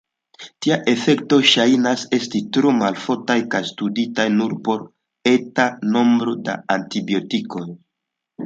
Tiaj efektoj ŝajnas esti tro maloftaj kaj studitaj nur por eta nombro da antibiotikoj.